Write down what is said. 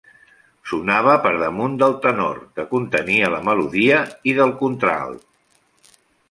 Sonava per damunt del tenor, que contenia la melodia, i del contralt.